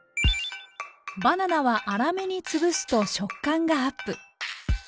バナナは粗めに潰すと食感がアップ。